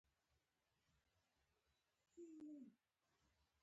ځایي مخورو سره د اړیکو پرې کول.